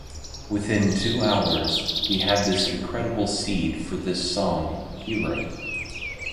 Within two hours, we had this incredible seed for this song, 'Hero'.